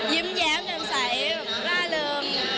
ยิ้มแย้งเกินใสร่าเริง